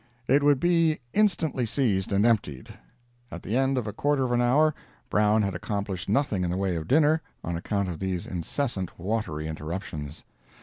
It would be instantly seized and emptied. At the end of a quarter of an hour Brown had accomplished nothing in the way of dinner, on account of these incessant watery interruptions.